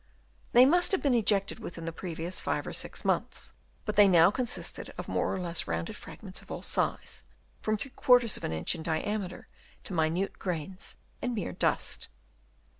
They must have been ejected within the previous five or six months, but they now consisted of more or less rounded fragments of all sizes, from § of an inch in diameter to minute grains and mere dust.